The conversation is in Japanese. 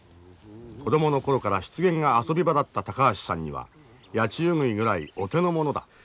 子供の頃から湿原が遊び場だった高橋さんにはヤチウグイぐらいお手の物だ。